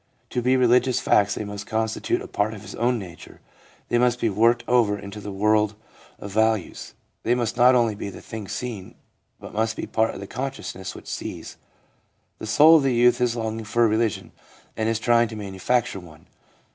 To be religious facts they must constitute a part of his own nature ; they must be worked over into the world of ADULT LIFE— PERIOD OF RECONSTRUCTION 293 values ; they must not only be the things seen, but must be part of the consciousness which sees. The soul of the youth is longing for a religion, and is trying to manufacture one.